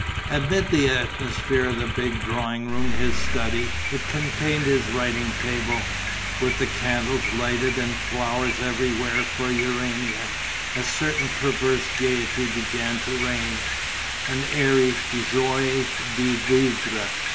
Amid the atmosphere of that big drawing room, his study it contained his writing table with the candles lighted and flowers everywhere for Urania, a certain perverse gaiety began to reign, an airy joie de vivre.